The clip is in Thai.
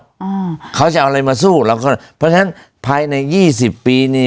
อ่าเขาจะเอาอะไรมาสู้เราก็เพราะฉะนั้นภายในยี่สิบปีนี่